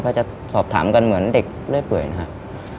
ก็จะสอบถามกันเหมือนเด็กเรื่อยเปื่อยนะครับ